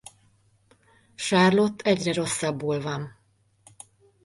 Charlotte egyre rosszabbul van.